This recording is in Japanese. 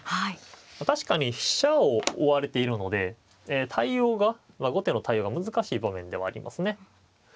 確かに飛車を追われているので後手の対応が難しい場面ではありますね。